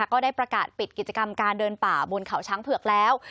ก็ได้ประกาศปิดกิจกรรมการเดินป่าบนเขาช้างเผือกแล้ว